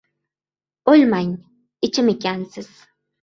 — O‘lmang, ichim ekansiz!